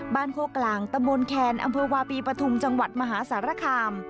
บ้านโค้กกลางตะโมนแคนอำเภวาปีปทุมจังหวัดมหาสารคาม